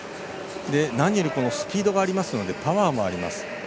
何よりスピードがあるのでパワーもあります。